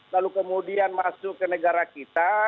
lalu kemudian masuk ke negara kita